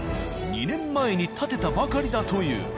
２年前に建てたばかりだという。